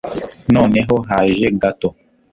noneho haje gato